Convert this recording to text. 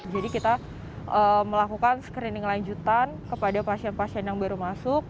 jadi kita melakukan screening lanjutan kepada pasien pasien yang baru masuk